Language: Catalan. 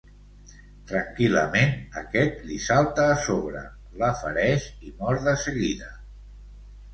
Tranquil·lament, aquest li salta a sobre, la fereix i mor de seguida.